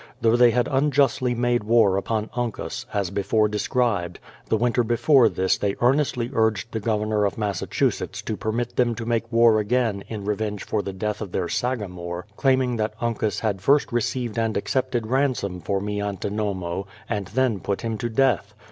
Though they had unjustly made war upon Uncas, as before described, the winter before this they earnestly urged the Governor of Massachusetts to permit them to make war again in revenge for the death of their sagamore, claiming that Uncas had first received and accepted ransom for Miantinomo, and then put him to death.